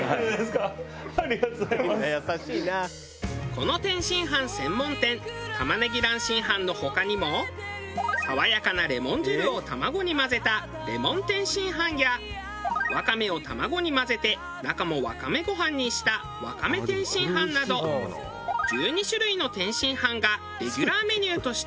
この天津飯専門店玉ねぎ卵津飯の他にも爽やかなレモン汁を卵に混ぜたレモン天津飯やわかめを卵に混ぜて中もわかめご飯にしたわかめ天津飯など１２種類の天津飯がレギュラーメニューとして存在。